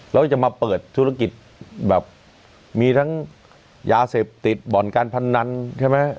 แล้วจะมาเปิดธุรกิจแบบมีทั้งยาเสพติดบ่อนการพนันใช่ไหม